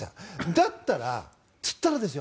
だったら、つったらですよ